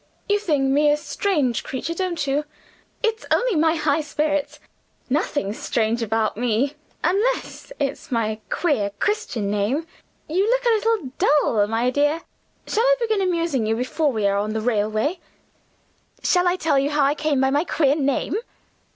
You think me a strange creature, don't you? It's only my high spirits. Nothing strange about me unless it's my queer Christian name. You look a little dull, my dear. Shall I begin amusing you before we are on the railway? Shall I tell you how I came by my queer name?"